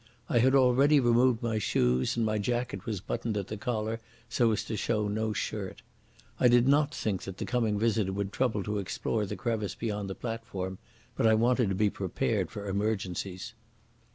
I had already removed my shoes, and my jacket was buttoned at the collar so as to show no shirt. I did not think that the coming visitor would trouble to explore the crevice beyond the platform, but I wanted to be prepared for emergencies.